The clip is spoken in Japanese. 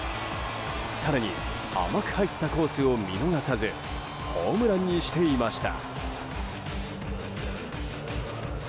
更に甘く入ったコースを見逃さずホームランにしていました。